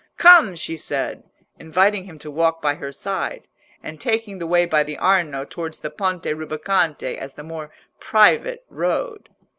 "Come!" she said, inviting him to walk by her side, and taking the way by the Arno towards the Ponte Rubaconte as the more private road.